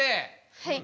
はい。